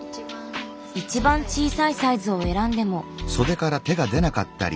一番小さいサイズを選んでも。